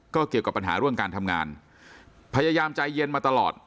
ก็เกี่ยวกับปัญหาเรื่องการทำงานพยายามใจเย็นมาตลอด